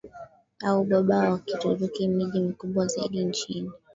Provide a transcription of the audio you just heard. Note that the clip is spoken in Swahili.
au baba wa Kituruki Miji mikubwa zaidi nchini